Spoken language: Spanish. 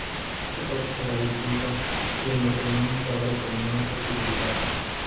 Este caso será distinto, y el matrimonio se abre como una posibilidad.